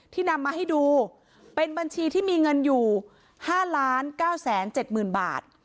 ที่นำมาให้ดูเป็นบัญชีที่มีเงินอยู่ห้าร้านเก้าแสนเจ็ดหมื่นบาท